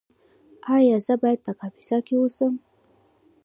ایا زه باید په کاپیسا کې اوسم؟